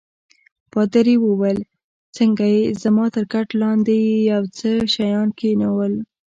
پادري وویل: څنګه يې؟ زما تر کټ لاندي يې یو څه شیان کښېښوول.